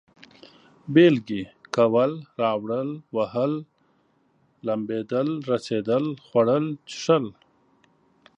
بېلگې: کول، راوړل، وهل، لمبېدل، رسېدل، خوړل، څښل